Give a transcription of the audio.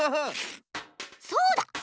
そうだ！